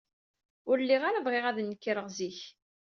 Ur lliɣ ara bɣiɣ ad nekreɣ zik.